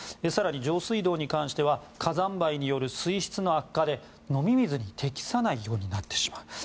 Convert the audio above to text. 更に上水道に関しては火山灰による水質の悪化で飲み水に適さないようになってしまう。